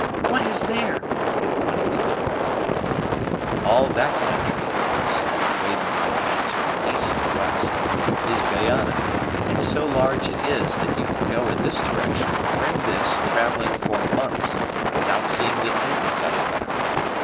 What is there?" pointing to the north. "All that country," I said, waving my hands from east to west, "is Guayana; and so large is it that you could go in this direction, or in this, travelling for months, without seeing the end of Guayana.